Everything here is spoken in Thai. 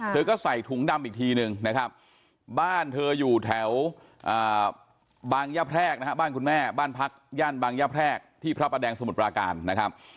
เธอก็ใส่ถุงดำอีกทีนึงนะครับบ้านเธออยู่แถวบางย่าแพรกนะฮะบ้านคุณแม่บ้านพักย่านบางย่าแพรกที่พระประแดงสมุทรปราการนะครับ